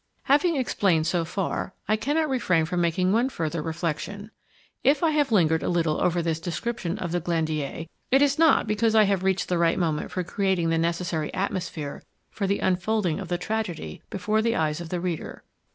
Having explained so far, I cannot refrain from making one further reflection. If I have lingered a little over this description of the Glandier, it is not because I have reached the right moment for creating the necessary atmosphere for the unfolding of the tragedy before the eyes of the reader.